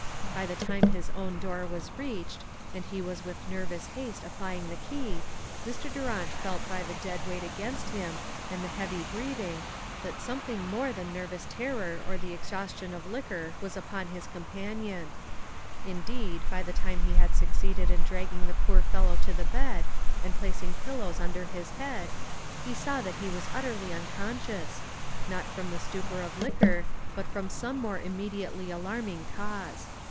By the time his own door was reached, and he was with nervous haste applying the key, Mr. Durant felt by the dead weight against him, and the heavy breathing, that something more than nervous terror or the exhaustion of liquor was upon his companion. Indeed, by 366 ONE COMMONPLACE DAY. the time he had succeeded in dragging the poor fellow to the bed, and placing pillows under his head, he saw that he was utterly unconscious, not from the stupor of liquor, but from some more immediately alarming cause.